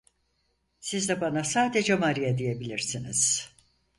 Siz de bana sadece Maria diyebilirsiniz…